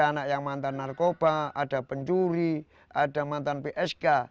anak yang mantan narkoba ada pencuri ada mantan psk